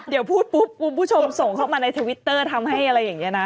เดี๋ยวพูดปุ๊บคุณผู้ชมส่งเข้ามาในทวิตเตอร์ทำให้อะไรอย่างนี้นะ